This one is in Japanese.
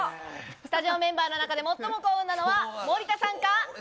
スタジオメンバーの中で最も幸運なのは、森田さんか？